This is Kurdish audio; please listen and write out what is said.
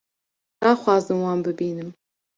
naxwazim wan bibînim